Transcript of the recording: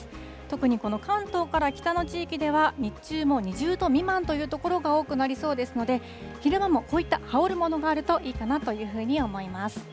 特に、この関東から北の地域では、日中も２０度未満という所が多くなりそうですので、昼間も、こういった羽織るものがあるほうがいいかなというふうに思います。